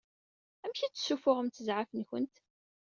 Amek i d-ssufuɣemt zɛaf-nkent?